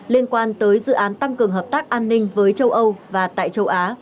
liên quan tới dự án tăng cường hợp tác an ninh với châu âu và tại châu á